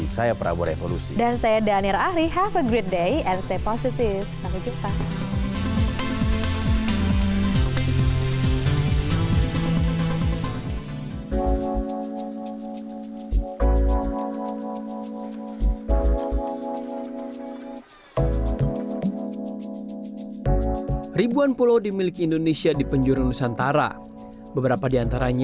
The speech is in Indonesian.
saya prabowo revolusi